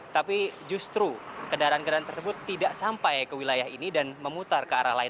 tapi justru kendaraan kendaraan tersebut tidak sampai ke wilayah ini dan memutar ke arah lain